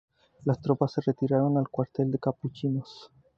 Las tropas se retiraron al cuartel de Capuchinos.